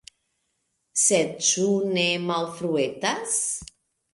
Sed ĉu ne malfruetas?